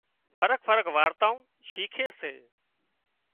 فرق فرق وارتائون شيکي سي